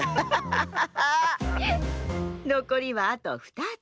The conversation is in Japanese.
のこりはあと２つ。